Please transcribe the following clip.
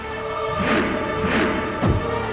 aku mau ke kanjeng itu